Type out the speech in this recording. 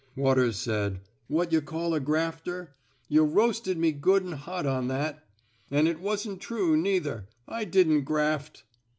Waters said: What yuh call a grafter? Yuh roasted me good an' hot on that. And it wasn't true, neither. I didn't graft."